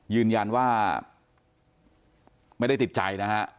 ยืนยันว่าไม่ได้ติดใจนะฮะ